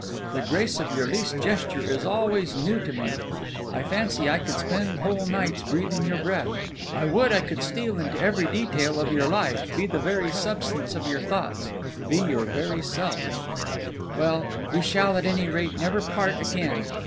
The grace of your least gesture is always new to me. I fancy I could spend whole nights breathing your breath; I would I could steal into every detail of your life, be the very substance of your thoughts be your very self. "Well, we shall, at any rate, never part again!